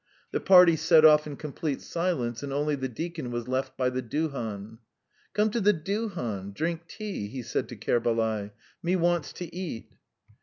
The party set off in complete silence and only the deacon was left by the duhan. "Come to the duhan, drink tea," he said to Kerbalay. "Me wants to eat."